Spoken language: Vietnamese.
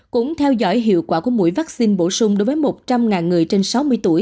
cũng theo dõi hiệu quả của mũi vaccine bổ sung đối với một trăm linh người trên sáu mươi tuổi